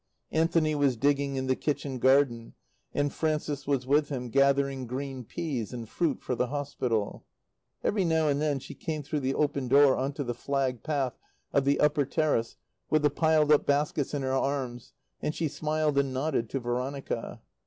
Anthony was digging in the kitchen garden, and Frances was with him, gathering green peas and fruit for the hospital. Every now and then she came through the open door on to the flagged path of the upper terrace with the piled up baskets in her arms, and she smiled and nodded to Veronica.